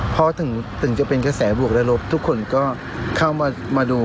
พอถึงจะเป็นกระแสบวกระลบทุกคนก็เข้ามาดู